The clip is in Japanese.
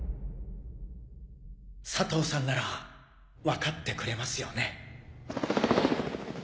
佐藤さんなら分かってくれますよね。